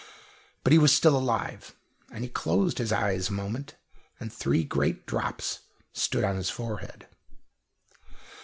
But he was still alive, and he closed his eyes a moment, and three great drops stood on his forehead.